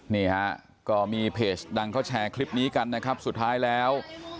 นี่ฮะก็มีเพจดังเขาแชร์คลิปนี้กันนะครับสุดท้ายแล้ว